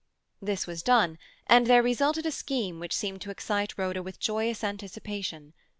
This was done, and there resulted a scheme which seemed to excite Rhoda with joyous anticipation.